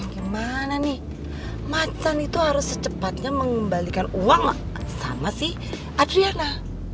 gimana nih macan itu harus secepatnya mengembalikan uang sama si adriana